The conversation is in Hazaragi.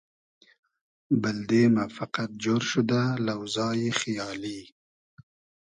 بئلدئ مۂ فئقئد جۉر شودۂ لۆزای خیالی